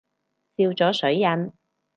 笑咗水印